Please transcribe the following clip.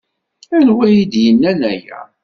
Anwa ay d-yennan aya?